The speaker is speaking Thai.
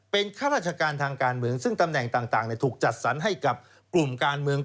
เป็นข้าราชการทางการเมืองซึ่งตำแหน่งต่างถูกจัดสรรให้กับกลุ่มการเมือง